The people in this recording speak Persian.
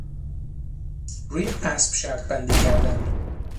روی اسب شرط بندی کردن